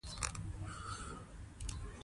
نمک د افغانستان د ځایي اقتصادونو بنسټ دی.